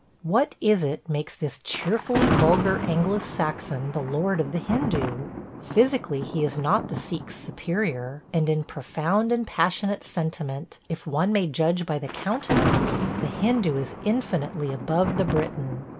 ... What is it makes this cheerfully vulgar Anglo Saxon the lord of the Hindoo? ... Physically he is not the Sikh's superior, and in profound and passionate sentiment, if one may judge by the countenance, the Hindoo is infinitely above the Briton.